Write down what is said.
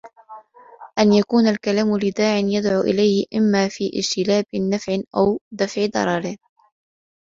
أَنْ يَكُونَ الْكَلَامُ لِدَاعٍ يَدْعُو إلَيْهِ إمَّا فِي اجْتِلَابِ نَفْعٍ أَوْ دَفْعِ ضَرَرٍ